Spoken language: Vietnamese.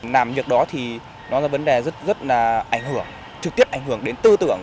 làm việc đó thì nó là vấn đề rất rất là ảnh hưởng trực tiếp ảnh hưởng đến tư tưởng